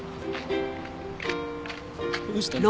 どうしたの？